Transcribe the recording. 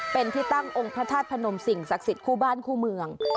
เป็นที่ตั้งองค์พระธาตุพนมสิ่งศักดิ์สิทธิ์คู่บ้านคู่เมือง